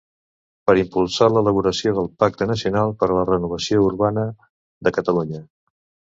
Per impulsar l'elaboració del Pacte nacional per a la renovació urbana de Catalunya.